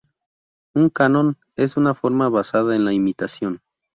Un canon es una forma basada en la imitación.